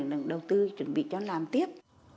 đang đầu tư chuẩn bị cho làm tiếp